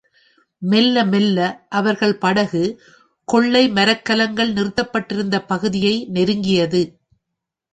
மெல்ல மெல்ல அவர்கள் படகு கொள்ளை மரக்கலங்கள் நிறுத்தப்பட்டிருந்த பகுதியை நெருங்கியது.